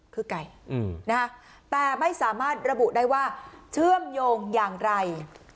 คือไก่แต่ไม่สามารถระบุได้ว่าเชื่อมโยงอย่างไร